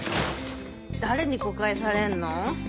誰に誤解されんの？